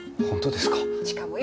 本当ですか？